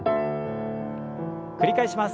繰り返します。